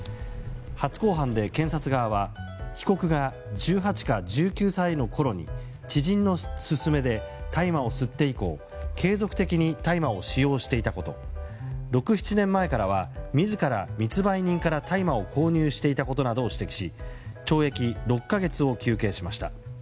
初公判で検察側は被告が１８か１９歳のころに知人の勧めで大麻を吸って以降継続的に大麻を使用していたこと６７年前からは自ら密売人から大麻を購入していたことなどを指摘し懲役６か月を求刑しました。